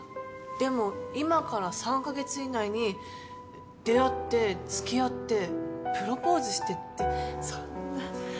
でも今から３か月以内に出会ってつきあってプロポーズしてってそんな。